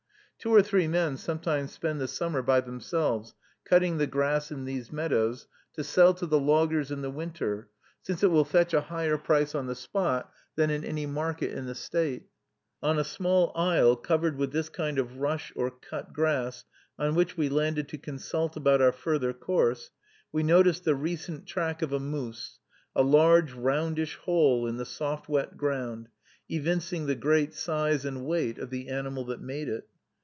Two or three men sometimes spend the summer by themselves, cutting the grass in these meadows, to sell to the loggers in the winter, since it will fetch a higher price on the spot than in any market in the State. On a small isle, covered with this kind of rush, or cut grass, on which we landed to consult about our further course, we noticed the recent track of a moose, a large, roundish hole in the soft, wet ground, evincing the great size and weight of the animal that made it.